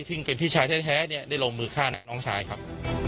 ซึ่งเป็นพี่ชายแท้ได้ลงมือฆ่าน้องชายครับ